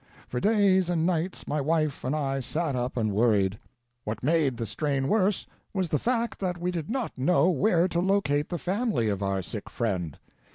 For days and nights my wife and I sat up and worried. What made the stain worse was the fact that we did not know where to locate the family of our sick friend.